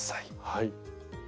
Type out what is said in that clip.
はい。